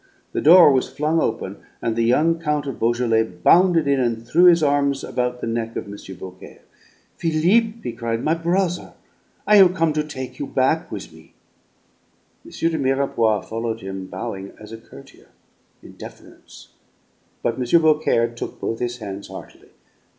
The door was flung open, and the young Count of Beaujolais bounded in and threw his arms about the neck of M. Beaucaire. "Philippe!" he cried. "My brother, I have come to take you back with me." M. de Mirepoix followed him, bowing as a courtier, in deference; but M. Beaucaire took both his hands heartily.